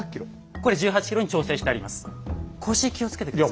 これ１８ｋｇに調整してあります。